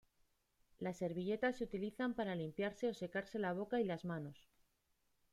Las servilletas se utilizan para limpiarse o secarse la boca y las manos.